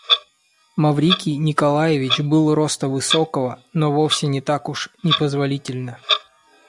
Маврикий Николаевич был роста высокого, но вовсе не так уж непозволительно.